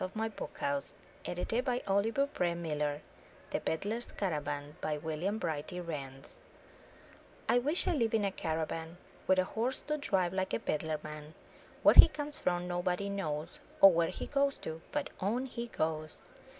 447 M Y BOOK HOUSE b^cirnEMi THE PEDDLER^S CARAVAN* William Brighty Rands I wish I lived in a caravan, With a horse to drive like a peddler man! Where he comes from nobody knows, Or where he goes to, but on he goes!